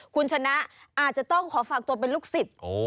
คุณชนะอาจจะต้องขอฝากตัวเป็นลูกศิษย์